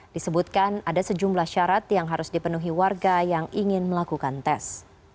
disebutkan ada sejumlah syarat yang harus dipenuhi warga yang ingin melakukan tes